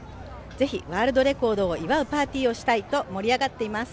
ぜひワールドレコードを祝うパーティーをしたいと盛り上がっています。